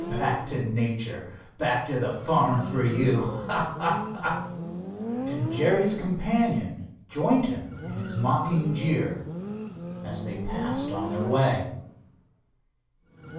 Back to nature, back to the farm for you—ha! ha! ha!" And Jerry's companion joined him in his mocking jeer as they passed on their way.